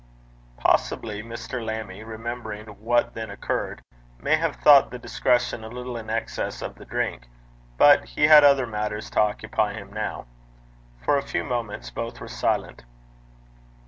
Possibly Mr. Lammie, remembering what then occurred, may have thought the discretion a little in excess of the drink, but he had other matters to occupy him now. For a few moments both were silent.